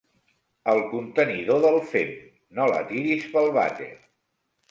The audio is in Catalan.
Al contenidor del fem, no la tires pel vàter.